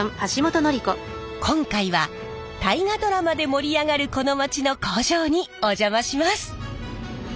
今回は大河ドラマで盛り上がるこの街の工場にお邪魔します。